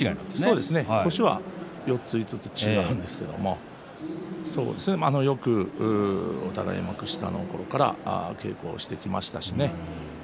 年は４つ５つ違うんですけどもお互い、幕下のころから稽古してきましたしね。